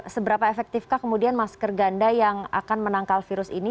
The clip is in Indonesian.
seberapa efektifkah kemudian masker ganda yang akan menangkal virus ini